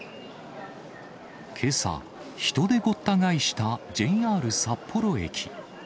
けさ、人でごった返したＪＲ札幌駅。